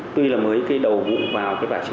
tuy là mới cây đầu vải